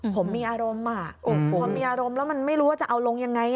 ผมมีอารมณ์พอมีอารมณ์แล้วมันไม่รู้ว่าจะเอาลงยังไง